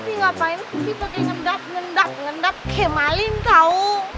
tapi ngapain sih pakai ngendap ngendap ngendap kemalin tahu